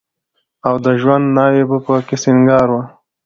او د ژوند ناوې به په کې سينګار وه.